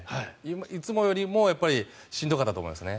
いつもよりもしんどかったと思いますね。